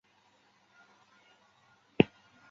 去柔然迎文帝悼皇后郁久闾氏。